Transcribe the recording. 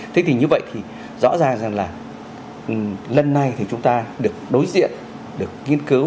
thế thì như vậy thì rõ ràng rằng là lần này thì chúng ta được đối diện được nghiên cứu